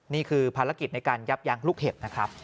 นี่คือภารกิจในการยับยั้งลูกเห็บนะครับ